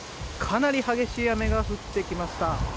かなり激しい雨が降ってきました。